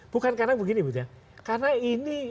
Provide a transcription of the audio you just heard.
bukan karena begini karena ini